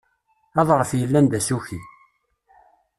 Aḍref yellan d asuki.